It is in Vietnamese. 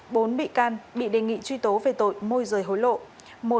bốn bị can bị đề nghị truy tố về tội môi rời hối lộ